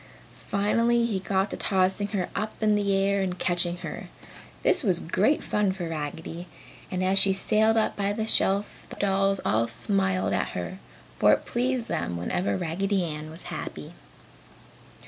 Finally he got to tossing her up in the air and catching her. This was great fun for Raggedy and as she sailed up by the shelf the dolls all smiled at her, for it pleased them whenever Raggedy Ann was happy.